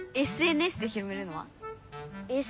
ＳＮＳで広めるのは？